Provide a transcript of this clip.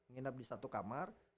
nginap di satu kamar